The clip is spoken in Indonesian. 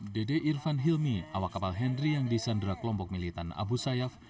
dede irfan hilmi awak kapal henry yang disandra kelompok militan abu sayyaf